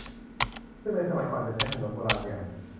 ซึ่งในสมัยก่อนจะใช้ขนมโบราณอย่าง